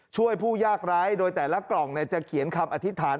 ผู้ยากร้ายโดยแต่ละกล่องจะเขียนคำอธิษฐาน